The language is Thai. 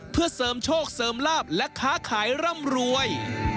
เพื่อเสริมโชคเสริมลาบและค้าขายร่ำรวย